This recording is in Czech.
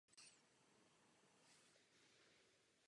Takže se zde nebavíme o úsporách.